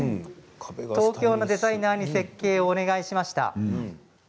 東京のデザイナーに設計をお願いしました。